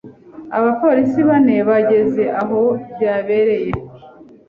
Abapolisi bane bageze aho byabereye.